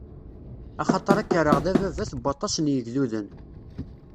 Axaṭer ad k-rreɣ d ababat n waṭas n yigduden.